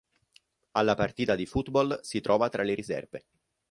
Alla partita di football, si trova tra le riserve.